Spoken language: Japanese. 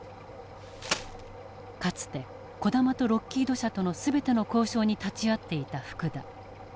かつて児玉とロッキード社との全ての交渉に立ち会っていた福田。